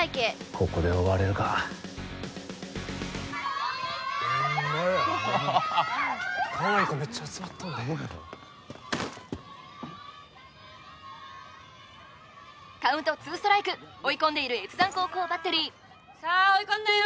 ここで終われるかホンマやかわいい子めっちゃ集まっとるでカウントツーストライク追い込んでいる越山高校バッテリーさあ追い込んだよ